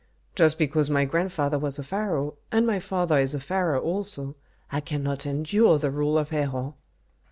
"Just because my grandfather was a pharaoh, and my father is a pharaoh also, I cannot endure the rule of Herhor."